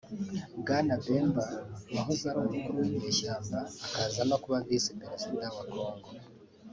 Bwana Bemba wahoze ari umukuru w’inyeshyamba akaza no kuba Visi-Perezida wa Kongo